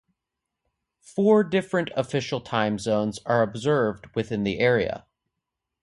Four different official time zones are observed within the area.